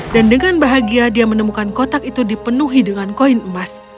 dan dengan bahagia dia menemukan kotak itu dipenuhi dengan koin emas